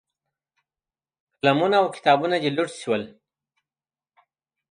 قلمونه او کتابونه دې لوټ شول.